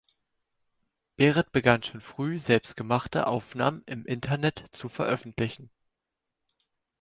Beret begann schon früh selbst gemachte Aufnahmen Im Internet zu veröffentlichen.